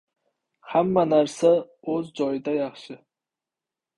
• Hamma narsa o‘z joyida yaxshi.